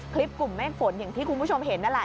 คลิปกลุ่มเมฆฝนอย่างที่คุณผู้ชมเห็นนั่นแหละ